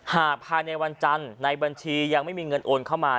ภายในวันจันทร์ในบัญชียังไม่มีเงินโอนเข้ามา